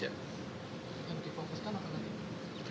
yang difokuskan apa tadi